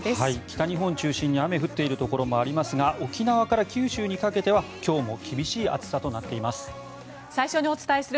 北日本を中心に雨が降っているところもありますが沖縄から九州にかけては今日も厳しい暑さとなっています。